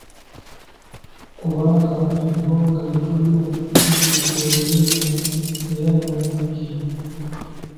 Kubanga eggwanga lye tulimu lijjudde obulimba era nobubbi.